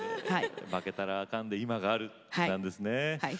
負けたらあかんで今があるのですね。